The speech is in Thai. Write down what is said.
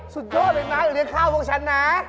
สุดยอดเลยน้าโดดนี่ข้าวงชันน้า